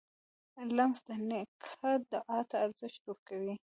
لمسی د نیکه دعا ته ارزښت ورکوي.